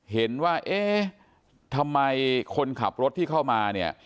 เห็นว่าเอ๊ะทำไมคนขับรถที่เข้ามาเนี่ย